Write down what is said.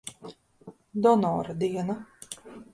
Donora diena.